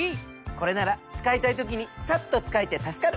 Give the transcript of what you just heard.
これなら使いたい時にサッと使えて助かる！